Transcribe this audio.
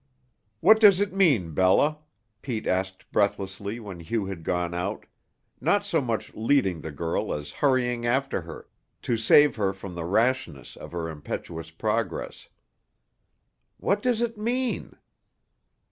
"What does it mean, Bella?" Pete asked breathlessly when Hugh had gone out, not so much leading the girl as hurrying after her to save her from the rashness of her impetuous progress. "What does it mean?"